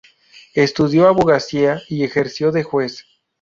Estudió abogacía y ejerció de juez.